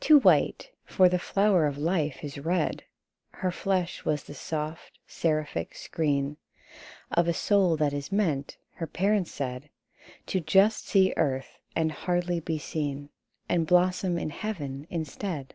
Too white, for the flower of life is red : Her flesh was the soft seraphic screen Of a soul that is meant (her parents said) To just see earth, and hardly be seen, And blossom in heaven instead.